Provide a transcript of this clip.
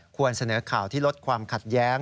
เสนอข่าวที่ลดความขัดแย้ง